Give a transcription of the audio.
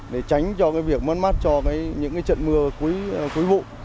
để tránh cho việc mất mát cho những trận mưa cuối vụ